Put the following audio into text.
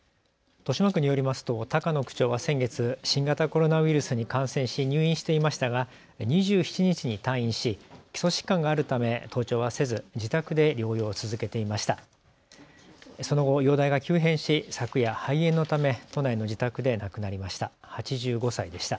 豊島区によりますと高野区長は先月、新型コロナウイルスに感染し入院していましたが２７日に退院し基礎疾患があるため登庁はせず自宅で療養を続けていました。